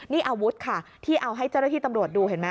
นี่อาวุธค่ะที่เอาให้เจ้าหน้าที่ตำรวจดูเห็นไหม